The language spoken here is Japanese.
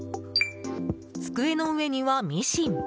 机の上には、ミシン。